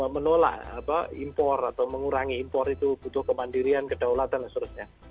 menolak impor atau mengurangi impor itu butuh kemandirian kedaulatan dan seterusnya